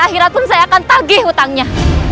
akhiratun saya akan tagih hutangnya